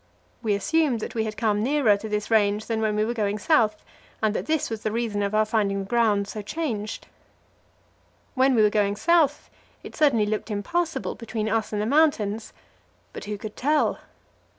We assumed that we had come nearer to this range than when we were going south, and that this was the reason of our finding the ground so changed. When we were going south, it certainly looked impassable between us and the mountains; but who could tell?